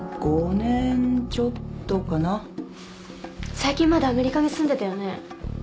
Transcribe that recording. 最近までアメリカに住んでたよね。